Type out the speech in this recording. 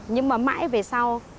nhưng mà mãi về sau